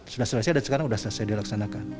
sudah selesai dan sekarang sudah selesai dilaksanakan